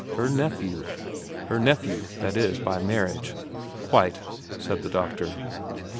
Her nephew. Her nephew, that is, by marriage. ' Quite,' said the doctor.